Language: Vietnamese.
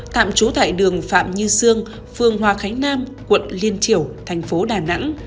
tạm trú tại đường phạm như sương phương hoa khánh nam quận liên triểu thành phố đà nẵng